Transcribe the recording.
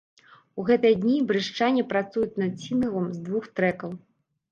У гэтыя дні брэстчане працуюць над сінглам з двух трэкаў.